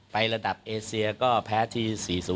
ไประดับเอเซียก็แพ้ที่๔๐๓๐๒๐